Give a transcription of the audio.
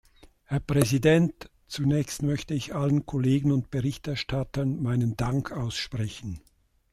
Herr Präsident! Zunächst möchte ich allen Kollegen und Berichterstattern meinen Dank aussprechen.